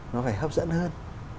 nó phải hấp dẫn hơn